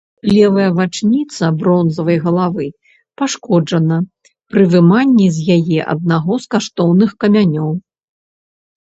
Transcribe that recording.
Левая вачніца бронзавай галавы пашкоджана пры выманні з яе аднаго з каштоўных камянёў.